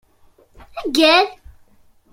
Gall!